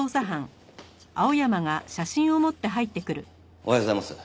おはようございます。